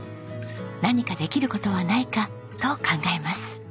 何かできる事はないかと考えます。